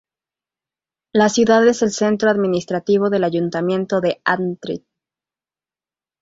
La ciudad es el centro administrativo del ayuntamiento de Antrim.